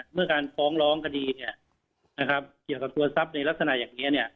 เมื่อการฟ้องร้องคดีเกี่ยวกับตัวทรัพย์ในลักษณะอย่างนี้